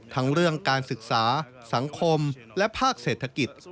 ทั้งเรื่องการศึกษาสังคมและภาคเศรษฐกิจ